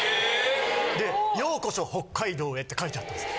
・で「ようこそ北海道へ」って書いてあったんです。